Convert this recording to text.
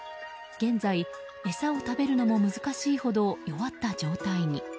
現在、餌を食べるのも難しいほど弱った状態に。